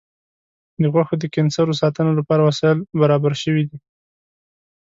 د غوښو د کنسرو ساتنې لپاره وسایل برابر شوي دي.